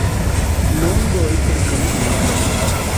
நோன்பு வைத்திருக்கவும் மாட்டோம்.